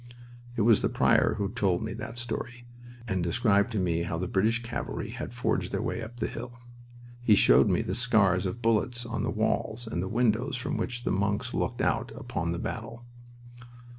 It was the prior who told me that story and who described to me how the British cavalry had forged their way up the hill. He showed me the scars of bullets on the walls and the windows from which the monks looked out upon the battle.